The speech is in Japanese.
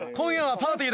パーティー？